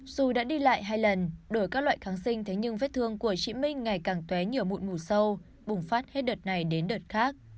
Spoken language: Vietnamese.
dù đã đi lại hai lần đổi các loại kháng sinh thế nhưng vết thương của chị minh ngày càng tué nhiều mụn mù sâu bùng phát hết đợt này đến đợt khác